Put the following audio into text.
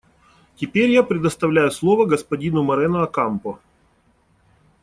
Теперь я предоставляю слово господину Морено Окампо.